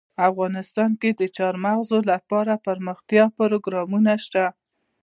افغانستان کې د چار مغز لپاره دپرمختیا پروګرامونه شته.